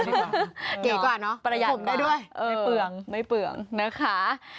เด่กกว่าเนอะประหยัดก่อนนะไม่เปลืองนะคะประหยัดก่อนนะเออไม่เปลือง